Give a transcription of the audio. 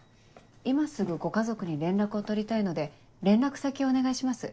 今すぐご家族に連絡を取りたいので連絡先お願いします。